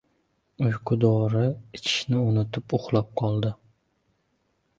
— Uyqudori ichishni unutib uxlab qoldi.